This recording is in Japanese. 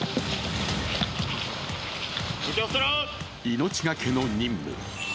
命がけの任務。